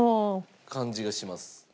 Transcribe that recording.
感じがします。